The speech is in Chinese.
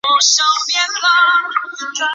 母翟氏。